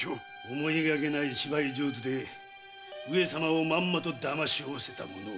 思いがけない芝居上手で上様をまんまと騙しおおせたものを。